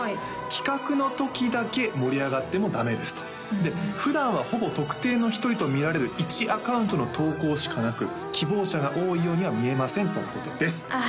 「企画の時だけ盛り上がってもダメです」とで「普段はほぼ特定の１人とみられる」「１アカウントの投稿しかなく」「希望者が多いようには見えません」とのことですあ